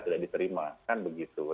tidak diterima kan begitu